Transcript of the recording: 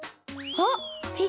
あっ！